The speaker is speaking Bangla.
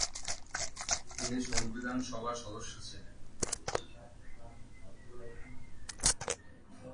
তিনি সংবিধান সভার সদস্য ছিলেন।